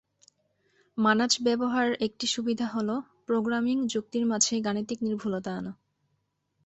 মানাড ব্যবহার একটি সুবিধা হল প্রোগ্রামিং যুক্তির মাঝে গাণিতিক নির্ভুলতা আনা।